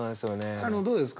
あのどうですか？